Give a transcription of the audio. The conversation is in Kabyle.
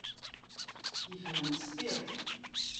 Ifhem s tiṭ.